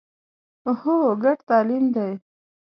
هو، ګډ تعلیم دی